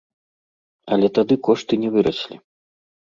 Але тады кошты не выраслі.